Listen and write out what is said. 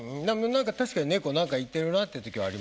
何か確かに猫何か言ってるなっていう時はありますよね。